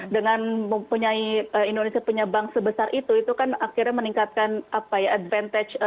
dengan mempunyai indonesia punya bank sebesar itu itu kan akhirnya meningkatkan advantage